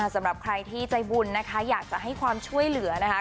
สำหรับใครที่ใจบุญนะคะอยากจะให้ความช่วยเหลือนะคะ